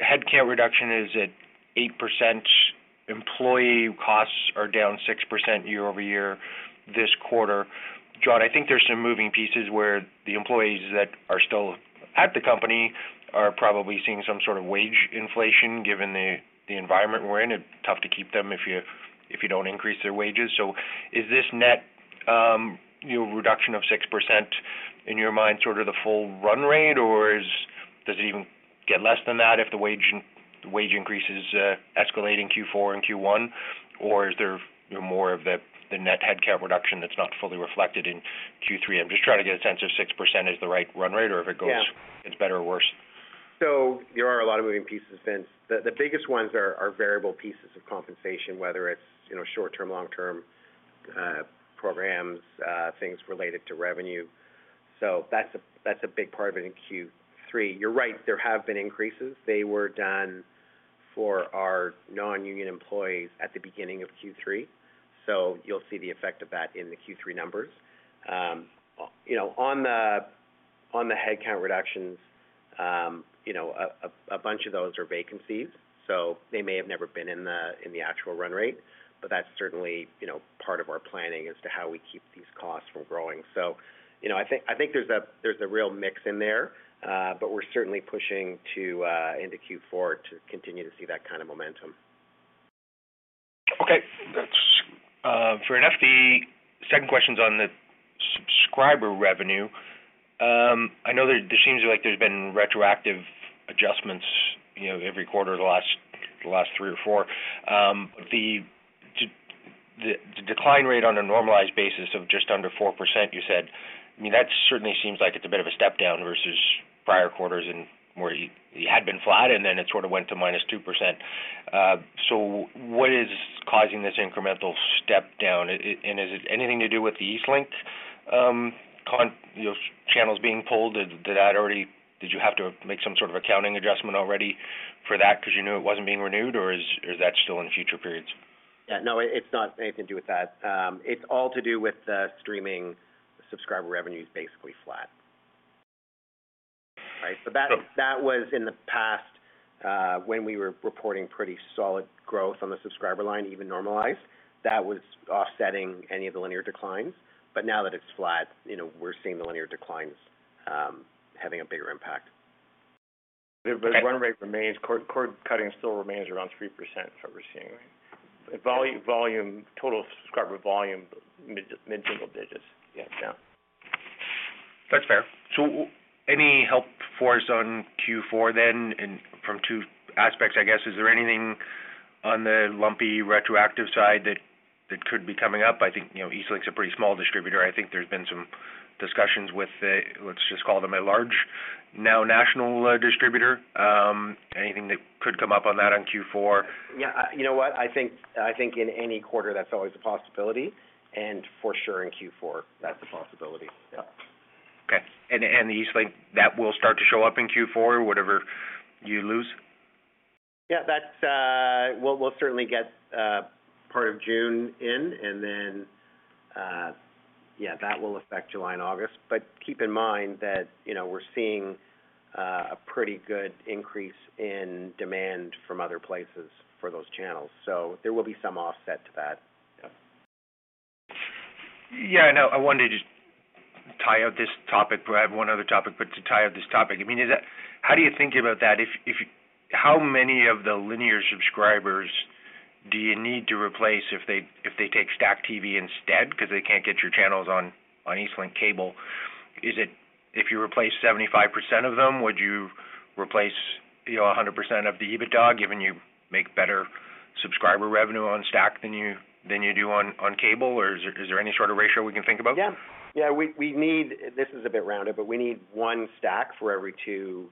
headcount reduction is at 8%. Employee costs are down 6% year-over-year this quarter. John, I think there's some moving pieces where the employees that are still at the company are probably seeing some sort of wage inflation, given the environment we're in. It's tough to keep them if you don't increase their wages. Is this net, you know, reduction of 6%, in your mind, sort of the full run rate, or does it even get less than that if the wage increases escalate in Q4 and Q1, or is there more of the net headcount reduction that's not fully reflected in Q3? I'm just trying to get a sense if 6% is the right run rate or if it goes-? Yeah. it's better or worse. There are a lot of moving pieces since. The biggest ones are variable pieces of compensation, whether it's, you know, short term, long term, programs, things related to revenue. That's a big part of it in Q3. You're right, there have been increases. They were done for our non-union employees at the beginning of Q3, so you'll see the effect of that in the Q3 numbers. You know, on the headcount reductions, you know, a bunch of those are vacancies, so they may have never been in the actual run rate, but that's certainly, you know, part of our planning as to how we keep these costs from growing. You know, I think there's a real mix in there, but we're certainly pushing to into Q4 to continue to see that kind of momentum. Okay. That's for enough, the second question is on the subscriber revenue. I know there seems like there's been retroactive adjustments, you know, every quarter, the last three or four. The decline rate on a normalized basis of just under 4%, you said. I mean, that certainly seems like it's a bit of a step down versus prior quarters and where you had been flat, and then it sort of went to -2%. What is causing this incremental step down? And is it anything to do with the Eastlink, you know, channels being pulled? Did that already did you have to make some sort of accounting adjustment already for that because you knew it wasn't being renewed, or is, or is that still in future periods? Yeah. No, it's not anything to do with that. It's all to do with the streaming subscriber revenue is basically flat, right? So- That was in the past, when we were reporting pretty solid growth on the subscriber line, even normalized. That was offsetting any of the linear declines. Now that it's flat, you know, we're seeing the linear declines having a bigger impact. Run rate remains, cord cutting still remains around 3% is what we're seeing, right? Total subscriber volume, mid-single digits. Yeah. That's fair. Any help for us on Q4 then? From two aspects, I guess. Is there anything on the lumpy retroactive side that could be coming up? I think, you know, Eastlink's a pretty small distributor. I think there's been some discussions with the, let's just call them a large, now national, distributor. Anything that could come up on that on Q4? Yeah. You know what? I think in any quarter, that's always a possibility, for sure in Q4, that's a possibility. Yeah. Okay. The Eastlink, that will start to show up in Q4, whatever you lose? Yeah, that's. We'll certainly get part of June in, and then, yeah, that will affect July and August. Keep in mind that, you know, we're seeing a pretty good increase in demand from other places for those channels, so there will be some offset to that. Yeah, I know. I wanted to tie out this topic. I have one other topic, but to tie up this topic, I mean, how do you think about that? If how many of the linear subscribers do you need to replace if they take StackTV instead because they can't get your channels on Eastlink cable? Is it if you replace 75% of them, would you replace, you know, 100% of the EBITDA, given you make better subscriber revenue on StackTV than you do on cable? Is there any sort of ratio we can think about? Yeah. We need... This is a bit rounded, but we need one StackTV for every two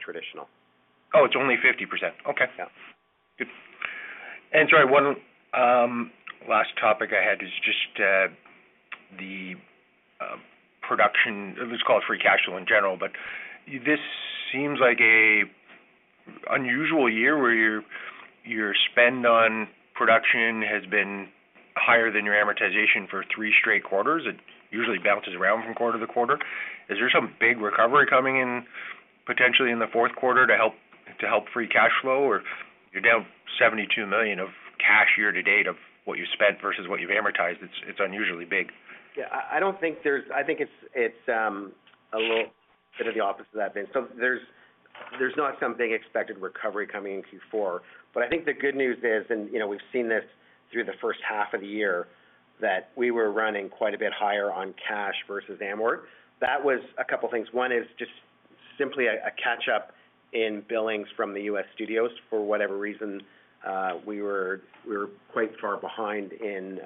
traditional. Oh, it's only 50%. Okay. Yeah. Good. Sorry, one last topic I had is just the production. Let's call it free cash flow in general, but this seems like a unusual year where your spend on production has been higher than your amortization for three straight quarters. It usually bounces around from quarter to quarter. Is there some big recovery coming in, potentially in the fourth quarter to help free cash flow, or you're down 72 million of cash year to date of what you spent versus what you've amortized? It's unusually big. Yeah, I think it's a little bit of the opposite of that, Vince. There's not some big expected recovery coming in Q4. I think the good news is, and, you know, we've seen this through the first half of the year, that we were running quite a bit higher on cash versus amortization. That was a couple of things. One is just simply a catch-up in billings from the U.S. studios. For whatever reason, we were quite far behind in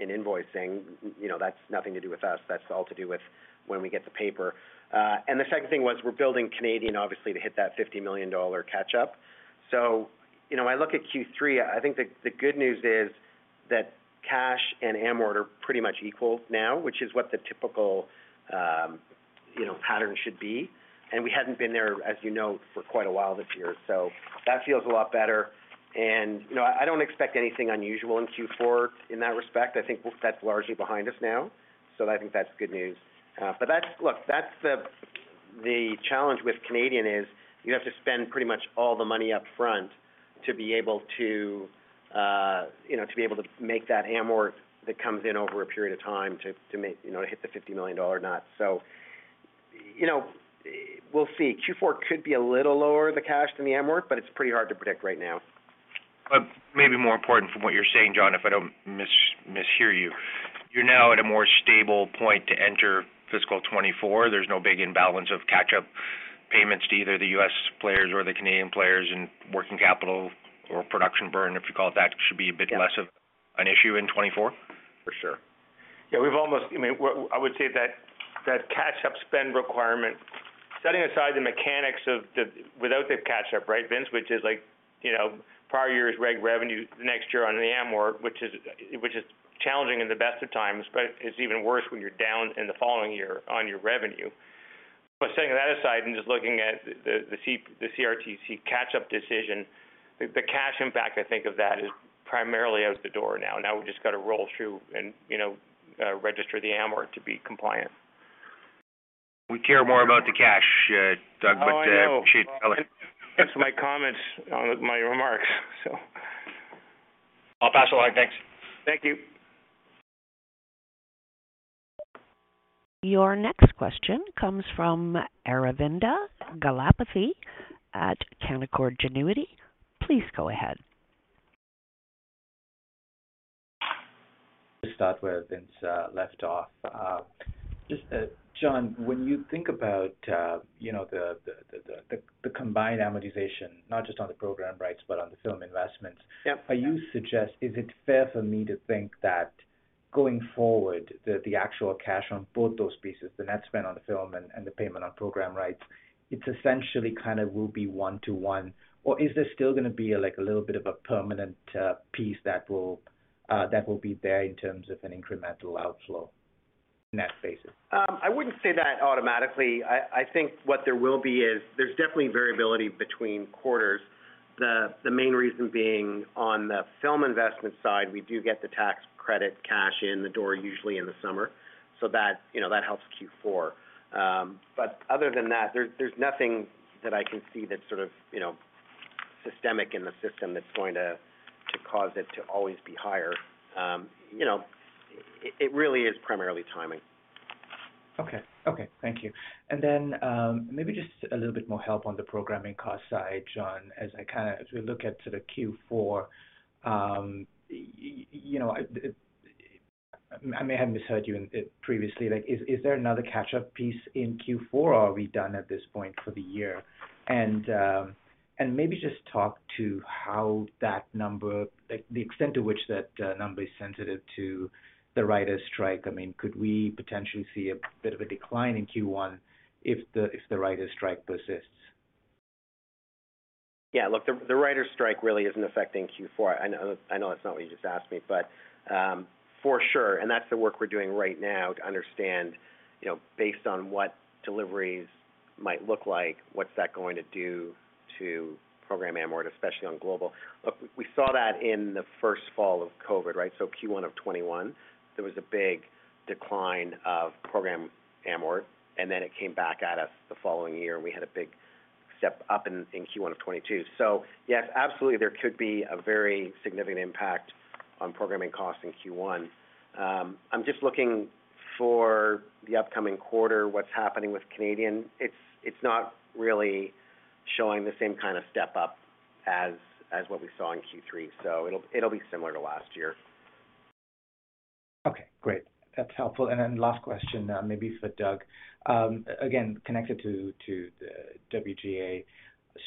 invoicing. You know, that's nothing to do with us. That's all to do with when we get the paper. The second thing was, we're building Canadian, obviously, to hit that 50 million dollar catch-up. You know, I look at Q3, I think the good news is that cash and amortization are pretty much equal now, which is what the typical, you know, pattern should be. We hadn't been there, as you know, for quite a while this year. That feels a lot better. You know, I don't expect anything unusual in Q4 in that respect. I think that's largely behind us now. I think that's good news. But that's the challenge with Canadian is you have to spend pretty much all the money up front to be able to, you know, to be able to make that amortization that comes in over a period of time to make, you know, hit the 50 million dollar mark. You know, we'll see. Q4 could be a little lower, the cash than the amortization, but it's pretty hard to predict right now. Maybe more important from what you're saying, John, if I don't mishear you're now at a more stable point to enter fiscal 2024. There's no big imbalance of catch-up payments to either the U.S. players or the Canadian players, and working capital or production burn, if you call it that, should be a bit less of an issue in 2024? For sure. Yeah, we've almost I mean, what I would say that catch-up spend requirement, setting aside the mechanics of the without the catch-up, right, Vince, which is like, you know, prior year's reg revenue, next year on the amortization, which is, which is challenging in the best of times, but it's even worse when you're down in the following year on your revenue. But setting that aside and just looking at the CRTC catch-up decision, the cash impact, I think of that, is primarily out the door now. Now we've just got to roll through and, you know, register the amortization to be compliant. We care more about the cash, Doug, but. Oh, I know. That's my comments, my remarks, so. I'll pass it along. Thanks. Thank you. Your next question comes from Aravinda Galappatthige at Canaccord Genuity. Please go ahead. Just start where Vince left off. Just John, when you think about, you know, the combined amortization, not just on the program rights, but on the film investments... Yep. Are you suggest, is it fair for me to think that going forward, the actual cash on both those pieces, the net spend on the film and the payment on program rights, it's essentially kind of will be one to one? Or is there still going to be, like, a little bit of a permanent piece that will be there in terms of an incremental outflow net basis? I wouldn't say that automatically. I think what there will be is there's definitely variability between quarters. The main reason being on the film investment side, we do get the tax credit cash in the door, usually in the summer. That, you know, that helps Q4. Other than that, there's nothing that I can see that's sort of, you know, systemic in the system that's going to cause it to always be higher. You know, it really is primarily timing. Okay. Thank you. Then maybe just a little bit more help on the programming cost side, John, as we look at sort of Q4, you know, I may have misheard you in it previously. Like, is there another catch-up piece in Q4, or are we done at this point for the year? Maybe just talk to how that number, like the extent to which that number is sensitive to the writers strike. I mean, could we potentially see a bit of a decline in Q1 if the writers strike persists? Look, the writers' strike really isn't affecting Q4. I know that's not what you just asked me, but for sure, and that's the work we're doing right now to understand, you know, based on what deliveries might look like, what's that going to do to program amortization, especially on Global. Look, we saw that in the first fall of COVID, right? Q1 of 2021, there was a big decline of program amortization, and then it came back at us the following year, and we had a big step up in Q1 of 2022. Yes, absolutely, there could be a very significant impact on programming costs in Q1. I'm just looking for the upcoming quarter, what's happening with Canadian. It's not really showing the same kind of step up as what we saw in Q3, so it'll be similar to last year. Okay, great. That's helpful. Last question, maybe for Doug. Again, connected to the WGA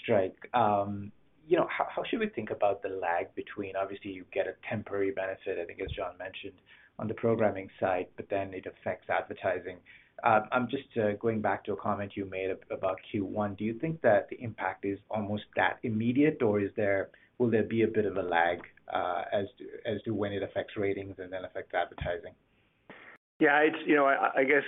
strike. You know, how should we think about the lag between... Obviously, you get a temporary benefit, I think, as John mentioned, on the programming side, but then it affects advertising. I'm just going back to a comment you made about Q1. Do you think that the impact is almost that immediate, or will there be a bit of a lag, as to when it affects ratings and then affects advertising? Yeah, it's, you know, I guess,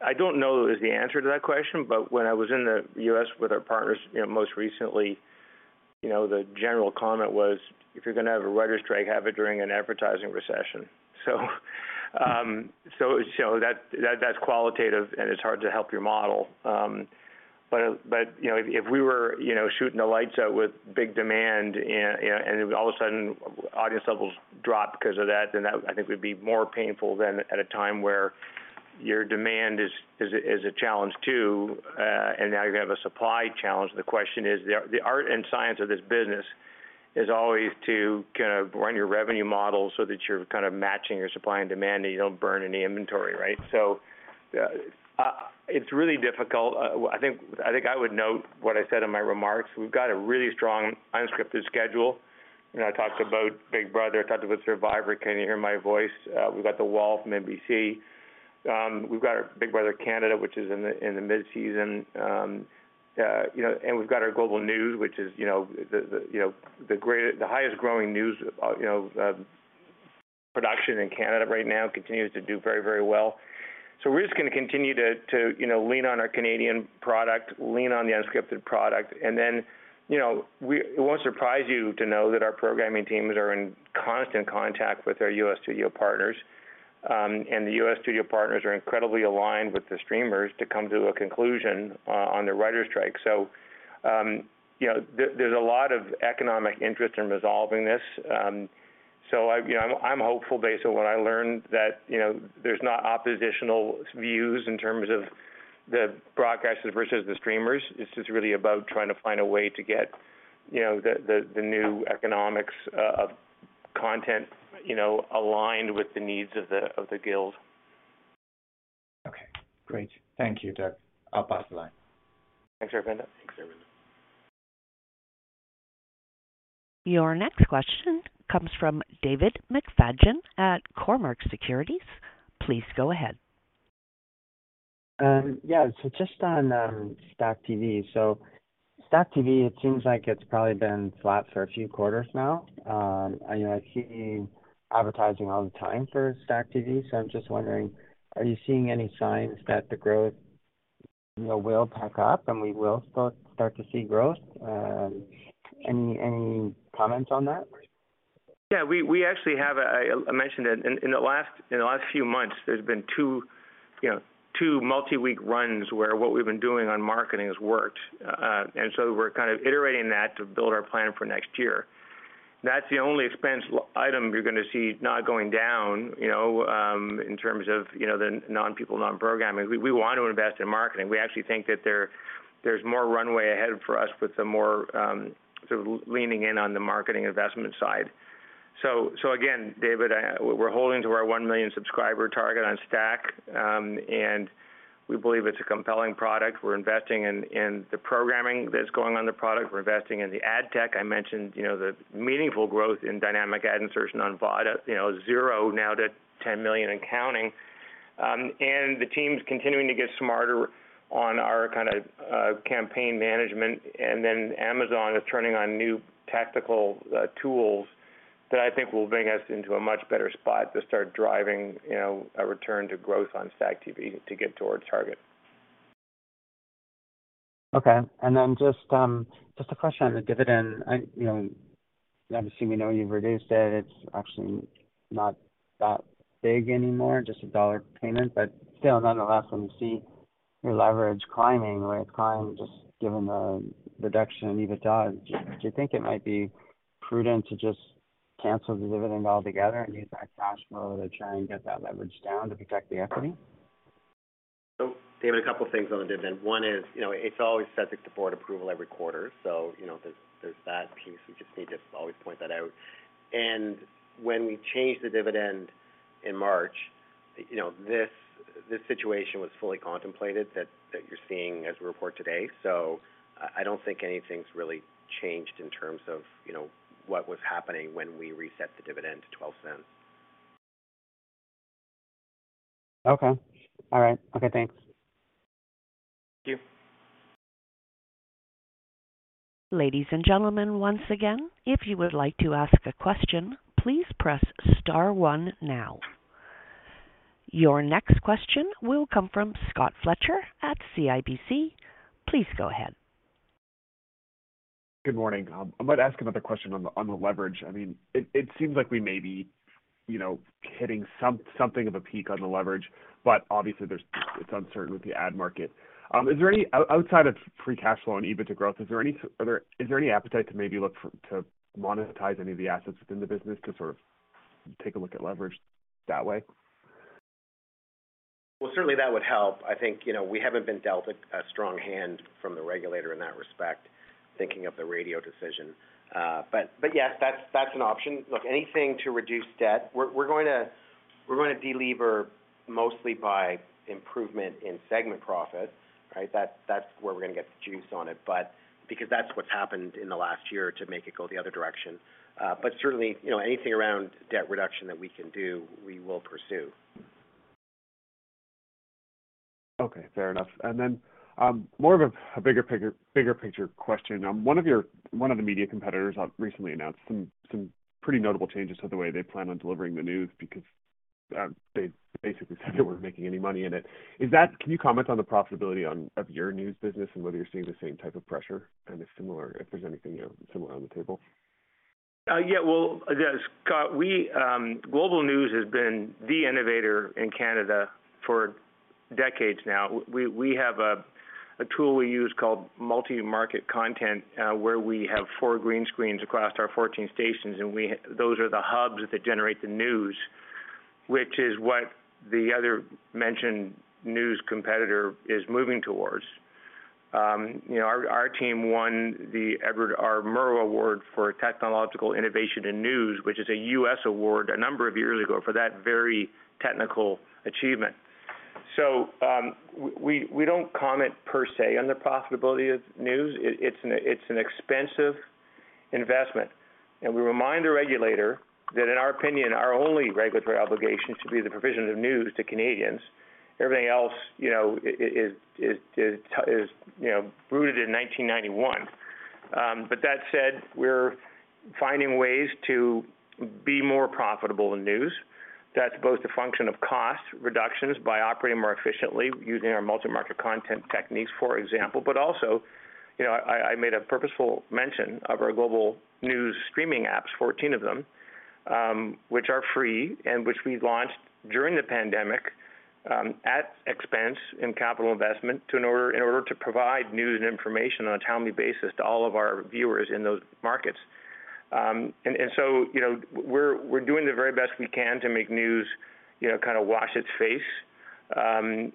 I don't know is the answer to that question, but when I was in the U.S. with our partners, you know, most recently, you know, the general comment was, "If you're going to have a writers' strike, have it during an advertising recession." That's qualitative, and it's hard to help your model. But, you know, if we were, you know, shooting the lights out with big demand and all of a sudden audience levels drop because of that, then that, I think, would be more painful than at a time where your demand is a challenge, too, and now you're going to have a supply challenge. The question is, the art and science of this business is always to kind of run your revenue model so that you're kind of matching your supply and demand, and you don't burn any inventory, right? It's really difficult. I think I would note what I said in my remarks. We've got a really strong unscripted schedule. You know, I talked about Big Brother. I talked about Survivor: Can You Hear My Voice? We've got The Wall from NBC. We've got our Big Brother Canada, which is in the mid-season. You know, and we've got our Global News, which is, you know, the, you know, the highest growing news, you know, production in Canada right now, continues to do very, very well. We're just going to continue to, you know, lean on our Canadian product, lean on the unscripted product. Then, you know, it won't surprise you to know that our programming teams are in constant contact with our U.S. studio partners, and the U.S. studio partners are incredibly aligned with the streamers to come to a conclusion on the Writers' Strike. You know, there's a lot of economic interest in resolving this. I, you know, I'm hopeful, based on what I learned, that, you know, there's not oppositional views in terms of the broadcasters versus the streamers. This is really about trying to find a way to get, you know, the new economics of content, you know, aligned with the needs of the guild. Okay, great. Thank you, Doug. I'll pass the line. Thanks, Aravinda. Thanks, Aravinda. Your next question comes from David McFadgen at Cormark Securities. Please go ahead. Yeah. Just on, StackTV. StackTV, it seems like it's probably been flat for a few quarters now. You know, I see advertising all the time for StackTV, so I'm just wondering, are you seeing any signs that the growth, you know, will pick up, and we will start to see growth? Any comments on that? Yeah, we actually have I mentioned it, in the last, in the last few months, there's been two, you know, two multi-week runs where what we've been doing on marketing has worked. We're kind of iterating that to build our plan for next year. That's the only expense item you're going to see not going down, you know, in terms of, you know, the non-people, non-programming. We want to invest in marketing. We actually think that there's more runway ahead for us with the more, sort of leaning in on the marketing investment side. Again, David, we're holding to our 1 million subscriber target on Stack, and we believe it's a compelling product. We're investing in the programming that's going on the product. We're investing in the ad tech. I mentioned, you know, the meaningful growth in dynamic ad insertion on VOD, you know, zero now to 10 million and counting. The team's continuing to get smarter on our kind of campaign management. Amazon is turning on new tactical tools that I think will bring us into a much better spot to start driving, you know, a return to growth on StackTV to get to our target. Okay. Then just a question on the dividend. I, you know, obviously, we know you've reduced it. It's actually not that big anymore, just a CAD 1 payment. Still, nonetheless, when we see your leverage climbing the way it climbed, just given the reduction in EBITDA, do you think it might be prudent to just cancel the dividend altogether and use that cash flow to try and get that leverage down to protect the equity? David, a couple things on the dividend. One is, you know, it's always subject to board approval every quarter. You know, there's that piece. We just need to always point that out. When we changed the dividend in March, you know, this situation was fully contemplated that you're seeing as we report today. I don't think anything's really changed in terms of, you know, what was happening when we reset the dividend to 0.12. Okay. All right. Okay, thanks. Thank you. Ladies and gentlemen, once again, if you would like to ask a question, please press star one now. Your next question will come from Scott Fletcher at CIBC. Please go ahead. Good morning. I might ask another question on the leverage. I mean, it seems like we may be, you know, hitting something of a peak on the leverage, but obviously there's, it's uncertain with the ad market. Is there any outside of free cash flow and EBITDA growth, is there any appetite to maybe look for, to monetize any of the assets within the business to sort of take a look at leverage that way? Well, certainly that would help. I think, you know, we haven't been dealt a strong hand from the regulator in that respect, thinking of the radio decision. Yes, that's an option. Look, anything to reduce debt. We're going to delever mostly by improvement in segment profit, right? That's where we're going to get the juice on it, but because that's what's happened in the last year to make it go the other direction. Certainly, you know, anything around debt reduction that we can do, we will pursue. Okay, fair enough. Then, more of a bigger picture question. One of the media competitors recently announced some pretty notable changes to the way they plan on delivering the news because, they basically said they weren't making any money in it. Can you comment on the profitability of your news business and whether you're seeing the same type of pressure and if similar, if there's anything, you know, similar on the table? Well, yeah, Scott, we, Global News has been the innovator in Canada for decades now. We have a tool we use called Multi-Market Content, where we have four green screens across our 14 stations, and those are the hubs that generate the news, which is what the other mentioned news competitor is moving towards. You know, our team won the Edward R. Murrow Award for Technological Innovation in News, which is a U.S. award, a number of years ago for that very technical achievement. We don't comment per se, on the profitability of news. It's an expensive investment, and we remind the regulator that in our opinion, our only regulatory obligation should be the provision of news to Canadians. Everything else, you know, is, you know, rooted in 1991. That said, we're finding ways to be more profitable in news. That's both a function of cost reductions by operating more efficiently using our Multi-Market Content techniques, for example, but also, you know, I made a purposeful mention of our Global News streaming apps, 14 of them, which are free and which we launched during the pandemic, at expense in capital investment to in order to provide news and information on a timely basis to all of our viewers in those markets. So, you know, we're doing the very best we can to make news, you know, kind of wash its face.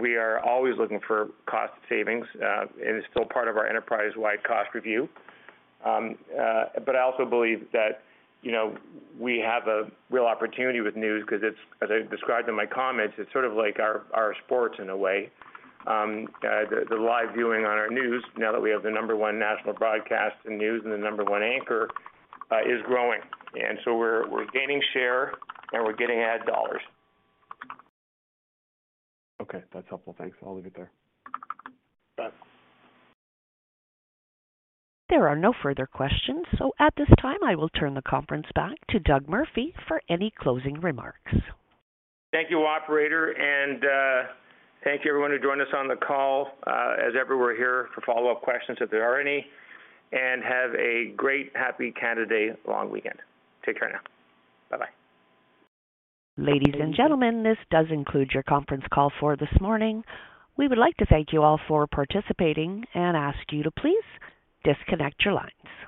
We are always looking for cost savings. It is still part of our enterprise-wide cost review. I also believe that, you know, we have a real opportunity with news because it's, as I described in my comments, it's sort of like our sports in a way. The live viewing on our news, now that we have the number 1 national broadcast in news and the number 1 anchor, is growing. We're gaining share, and we're getting ad dollars. Okay, that's helpful. Thanks. I'll leave it there. Thanks. There are no further questions. At this time, I will turn the conference back to Doug Murphy for any closing remarks. Thank you, operator, and thank you everyone who joined us on the call. As ever, we're here for follow-up questions if there are any, and have a great happy Canada Long Weekend. Take care now. Bye-bye. Ladies and gentlemen, this does conclude your conference call for this morning. We would like to thank you all for participating and ask you to please disconnect your lines.